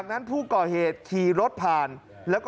ทำไมคงคืนเขาว่าทำไมคงคืนเขาว่า